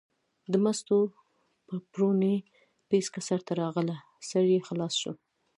د مستو د پړوني پیڅکه سر ته راغله، سر یې خلاص شو.